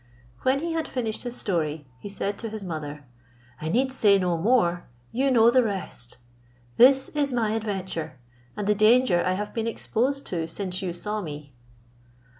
When he had finished his story, he said to his mother, "I need say no more, you know the rest. This is my adventure, and the danger I have been exposed to since you saw me."